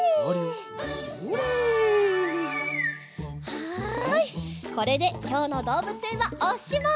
はいこれできょうのどうぶつえんはおしまい！